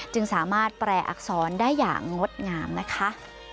จึงสามารถแปลอักษรได้อย่างงดงามนะคะ